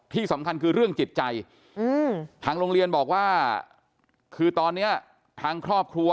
ที่สำคัญคือเรื่องจิตใจทางโรงเรียนบอกว่าคือตอนนี้ทางครอบครัว